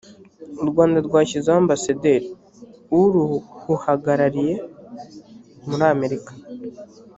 u rwanda rwashyizeho ambasaderi uruhuhagarariye muri amerika